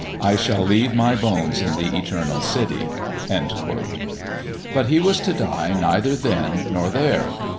I shall leave my bones in the Eternal City." But he was to die neither then nor there.